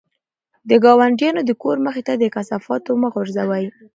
د ګاونډیانو د کور مخې ته د کثافاتو مه غورځوئ.